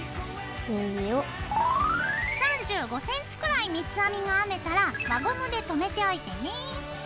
３５ｃｍくらい三つ編みが編めたら輪ゴムで留めておいてね。